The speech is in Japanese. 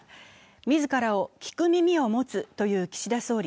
自らを聞く耳を持つという岸田総理。